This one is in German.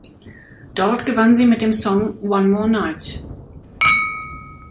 Dort gewann sie mit dem Song "One More Night".